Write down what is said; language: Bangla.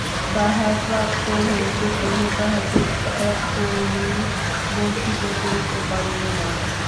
তাঁহার প্রাপ্য হইতে কেহ তাহাকে এক কড়ি বঞ্চিত করিতে পারিত না।